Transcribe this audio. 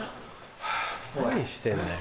何してんだよ